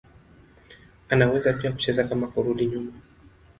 Anaweza pia kucheza kama kurudi nyuma.